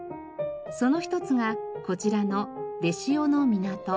その一つがこちらの出汐湊。